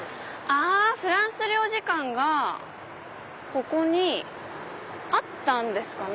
あっフランス領事館がここにあったんですかね。